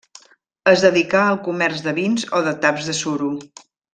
Es dedicà al comerç de vins o de taps de suro.